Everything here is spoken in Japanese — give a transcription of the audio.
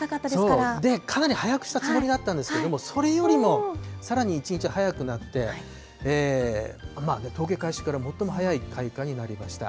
かなり早くしたつもりだったんですけれども、それよりもさらに１日早くなって、統計開始から最も早い開花になりました。